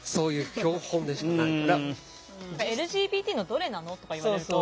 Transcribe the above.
「ＬＧＢＴのどれなの？」とか言われるとどれか。